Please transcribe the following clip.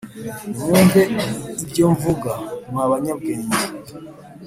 Nimwumve ibyomvuga mwabanyabwenge